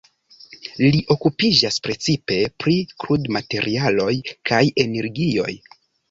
Li okupiĝas precipe pri krudmaterialoj kaj energioj.